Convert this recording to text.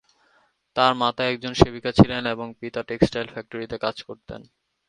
তার মাতা একজন সেবিকা ছিলেন এবং পিতা টেক্সটাইল ফ্যাক্টরিতে কাজ করতেন।